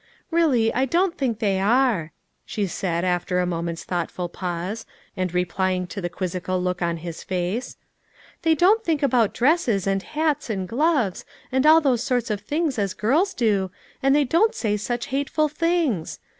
" Really I don't 830 LITTLE FISHERS: AND THEIR NETS. think they are," she said, after a moment's thoughtful pause, and replying to the quizzical look on his face. " They don't think about dresses, and hats, and gloves, and all those sorts of things as girls do, and they don't say such hateful things.